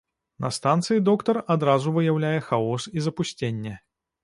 На станцыі доктар адразу выяўляе хаос і запусценне.